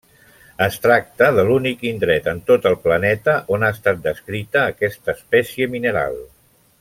Es tracta l'únic indret en tot el planeta on ha estat descrita aquesta espècie mineral.